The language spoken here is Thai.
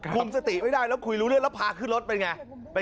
คุมสติไม่ได้แล้วคุยรู้เรื่องแล้วพาขึ้นรถเป็นไง